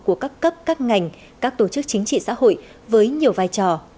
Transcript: của các cấp các ngành các tổ chức chính trị xã hội với nhiều vai trò